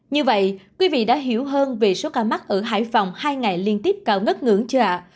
như vậy quý vị đã hiểu hơn về số ca mắc ở hải phòng hai ngày liên tiếp cao ngất ngưỡng chợ